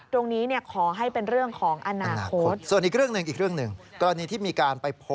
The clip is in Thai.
ตรงนี้ขอให้เป็นเรื่องของอนาคต